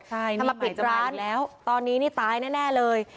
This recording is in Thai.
ใช่นี่ใหม่จะมาอีกแล้วตอนนี้นี่ตายแน่เลย